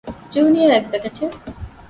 ޖޫނިއަރ އެގްޒެކަޓިވް